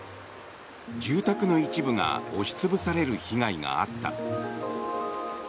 住宅の一部が押し潰される被害があった。